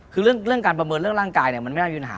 คือเรื่องการประเมินเรื่องร่างกายเนี่ยมันไม่ได้ยืนหา